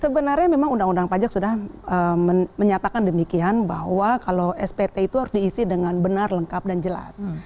sebenarnya memang undang undang pajak sudah menyatakan demikian bahwa kalau spt itu harus diisi dengan benar lengkap dan jelas